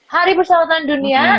hari persahabatan dunia